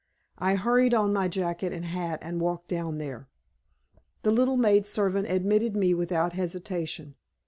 I hurried on my jacket and hat and walked down there. The little maid servant admitted me without hesitation.